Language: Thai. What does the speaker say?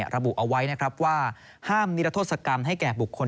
ระบุเอาไว้นะครับว่าห้ามนิรโทษกรรมให้แก่บุคคล